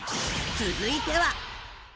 続いては。